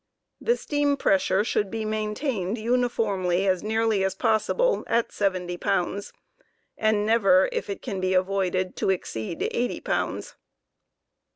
The steam pressure should be maintained uniformly as nearly as possible at seventy pounds, and never, if it can be avoided, to exceed eighty pounds.